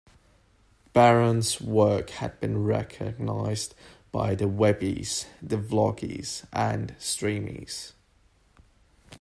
Baron's work had been recognized by the Webbys, the Vloggies and Streamys.